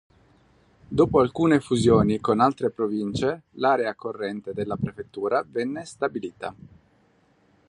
Dopo alcune fusioni con altre province l'area corrente della prefettura venne stabilita.